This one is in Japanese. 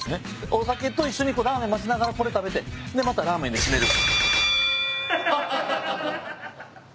お酒と一緒にラーメン待ちながらこれ食べてでまたラーメンで締める。